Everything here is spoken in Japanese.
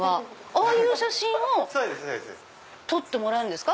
ああいう写真を撮ってもらえるんですか？